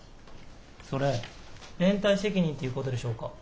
それ連帯責任っていうことでしょうか。